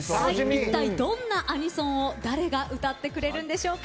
一体どんなアニソンを誰が歌ってくれるのでしょうか。